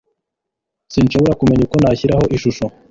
sinshobora kumenya uko nashyiraho ishusho